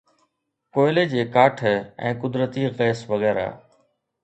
ڪوئلي جي ڪاٺ ۽ قدرتي گئس وغيره